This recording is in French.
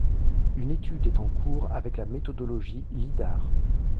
Une étude est en cours avec la méthodologie Lidar.